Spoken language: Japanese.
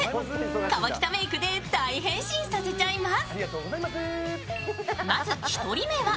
河北メイクで大変身させちゃいます。